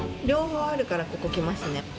両方あるからここ来ますね。